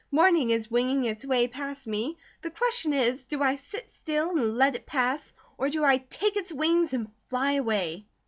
Morning is winging its way past me, the question is: do I sit still and let it pass, or do I take its wings and fly away?"